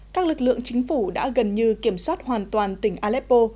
các lực lượng chính phủ đã gần như kiểm soát hoàn toàn tỉnh aleppo